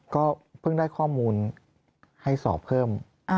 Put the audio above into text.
ก็เพิ่งได้ข้อมูลให้สอบเพิ่ม